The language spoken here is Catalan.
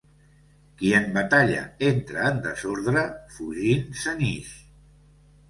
Qui en batalla entra en desordre, fugint se n'ix.